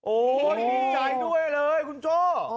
โอ้โหดีใจด้วยเลยคุณโจ้